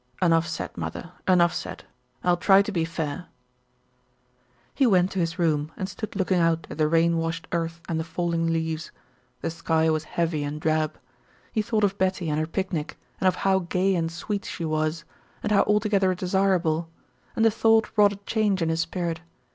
"Enough said, mother, enough said. I'll try to be fair." He went to his room and stood looking out at the rain washed earth and the falling leaves. The sky was heavy and drab. He thought of Betty and her picnic and of how gay and sweet she was, and how altogether desirable, and the thought wrought a change in his spirit.